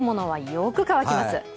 洗濯物はよく乾きます。